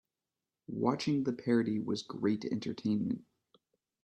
Watching the parody was great entertainment.